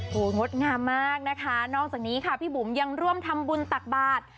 โอ้โหงดงามมากนะคะนอกจากนี้ค่ะพี่บุ๋มยังร่วมทำบุญตักบาท